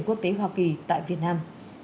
quốc tế hoa kỳ tại việt nam